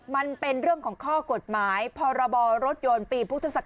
มันเป็นเรื่องของข้อกฎหมายพรบรถยนต์ปีพุทธศัก